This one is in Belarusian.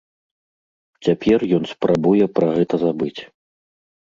Цяпер ён спрабуе пра гэта забыць.